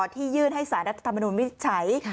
ที่ยื่นให้สารรัฐธรรมนุนวิจัย